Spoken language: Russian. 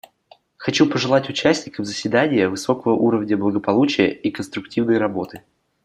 Хочу пожелать участникам заседания высокого уровня благополучия и конструктивной работы.